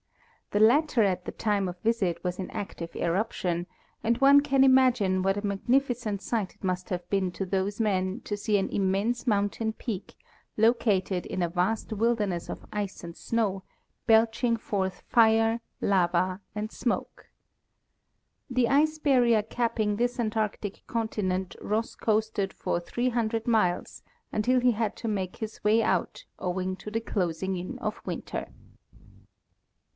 The latter at the time of visit was in active eruption, and one can imagine what a magnificent sight it must have been to those men to see an immense mountain peak, located in a vast wilderness of ice and snow, belching forth fire, lava, and smoke. The ice barrier capping this Antarctic conti nent Ross coasted for 500 miles, until he had to make his way out, owing to the closing in of winter.